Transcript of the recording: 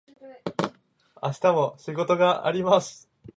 明日も仕事があります。